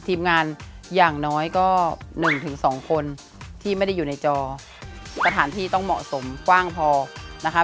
ทีมงานอย่างน้อยก็๑๒คนที่ไม่ได้อยู่ในจอสถานที่ต้องเหมาะสมกว้างพอนะคะ